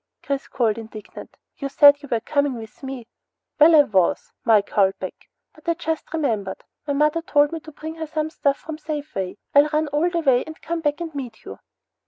Chris called, indignant. "You said you were coming with me!" "Well, I was," Mike howled back, "but I just remembered. My mother told me to bring her some stuff from the Safeway. I'll run all the way and come back and meet you."